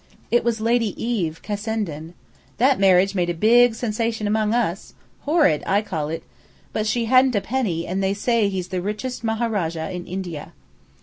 It was Lady Eve Cassenden. That marriage made a big sensation among us. Horrid, I call it! But she hadn't a penny, and they say he's the richest Maharajah in India."